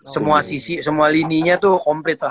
semua sisi semua lini nya tuh komplit lah